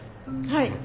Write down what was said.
はい。